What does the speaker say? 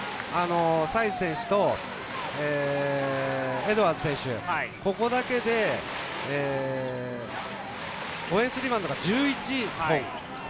サイズ選手とエドワーズ選手、ここだけでオフェンスリバウンドが１１本。